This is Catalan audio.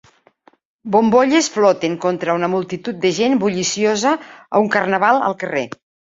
Bombolles floten contra una multitud de gent bulliciosa a un carnaval al carrer.